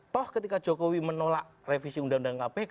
toh ketika jokowi menolak revisi undang undang kpk